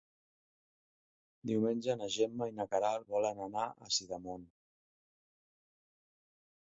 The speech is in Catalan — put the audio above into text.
Diumenge na Gemma i na Queralt volen anar a Sidamon.